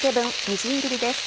みじん切りです。